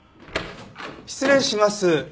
失礼します。